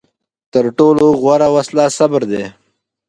تر ټولو غوره وسله صبر دی.